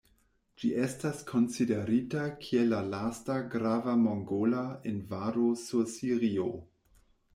Ĝi estas konsiderita kiel la lasta grava mongola invado sur Sirio.